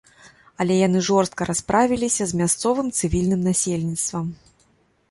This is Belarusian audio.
Але яны жорстка расправіліся з мясцовым цывільным насельніцтвам.